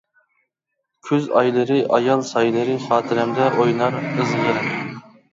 كۈز ئايلىرى-ئايال سايلىرى خاتىرەمدە ئوينار ئىزغىرىن.